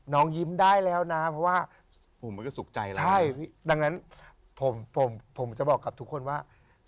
น้องยิ้มได้แล้วนะเพราะว่า